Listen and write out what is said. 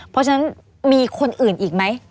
เพราะฉะนั้นมีคนอื่นอีกไหม